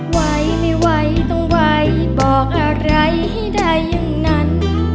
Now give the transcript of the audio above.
ไหวไม่ไหวต้องไหวบอกอะไรให้ได้อย่างนั้น